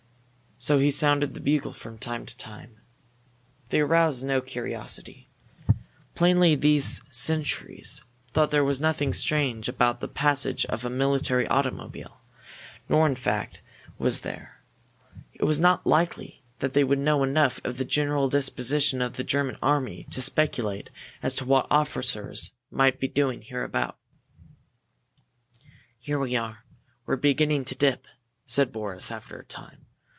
So he sounded the bugle from time to time. They aroused no curiosity. Plainly these sentries thought there was nothing strange about the passage of a military automobile, nor, in fact, was there. It was not likely that they would know enough of the general disposition of the German army to speculate as to what officers might be doing hereabout. "Here we are! We're beginning to dip," said Boris, after a time.